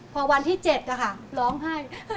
พอวันที่๗ค่ะร้องให้